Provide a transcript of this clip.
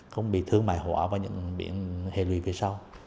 không bị thương mại hỏa và những biện hệ lùi về sau